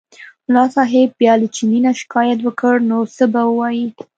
ملا صاحب بیا له چیني نه شکایت وکړ نو څه به ووایي.